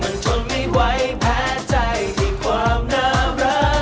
มันทนไม่ไหวแพ้ใจด้วยความน่ารัก